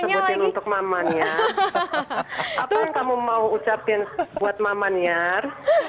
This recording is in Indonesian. apa yang kamu mau ucapkan buat mama niar